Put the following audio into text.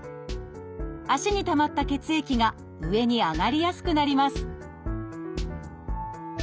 足にたまった血液が上に上がりやすくなります